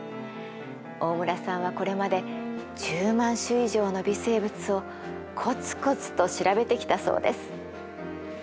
大村さんはこれまで１０万種以上の微生物をコツコツと調べてきたそうです。